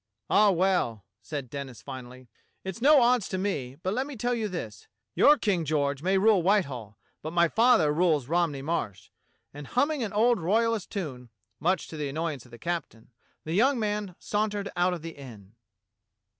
"Ah, well," said Denis finally, "it's no odds to me; but let me tell you this: Your King George may rule Whitehall, but my father rules Romney Marsh," and humming an old royalist tune, much to the annoyance of the captain, the young man sauntered out of the inn.